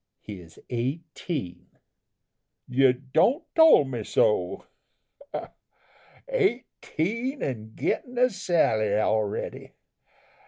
"He is eighteen." "You don't tole me so. Eighteen and gettin' a salary already!